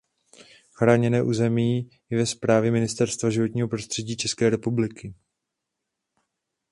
Chráněné území je ve správě Ministerstva životního prostředí České republiky.